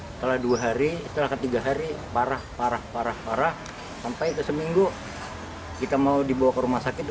setelah dua hari setelah ketiga hari parah parah parah parah sampai seminggu kita mau dibawa ke rumah sakit